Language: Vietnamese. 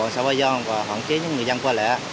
công an xã bà giang đã hoàn kế những người dân qua lẽ